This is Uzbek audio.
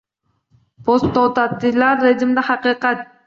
Posttotalitar rejimda haqiqat